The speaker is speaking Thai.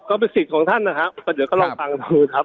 ก็เป็นสิทธิ์ของท่านนะครับก็เดี๋ยวก็ลองฟังดูครับ